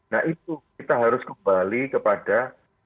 nah itu kita harus kembali kepada